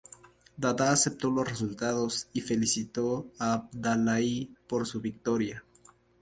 Daddah aceptó los resultados y felicitó a Abdallahi por su victoria.